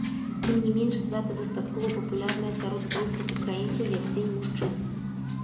Тым не менш свята дастаткова папулярнае сярод простых украінцаў як дзень мужчын.